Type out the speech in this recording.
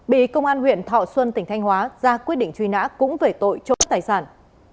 bị công an huyện thọ xuân tỉnh thanh hóa ra quyết định truy nã cũng về tội trộm tài sản